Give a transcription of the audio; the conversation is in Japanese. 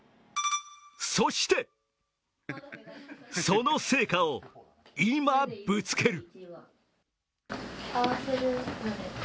そして、その成果を今、ぶつける。